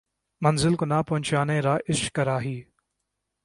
منزل کو نہ پہچانے رہ عشق کا راہی